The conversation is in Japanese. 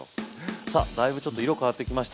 さあだいぶちょっと色変わってきました。